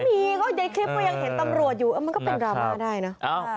ไม่มีก็ในคลิปก็ยังเห็นตำรวจอยู่มันก็เป็นดราม่าได้นะ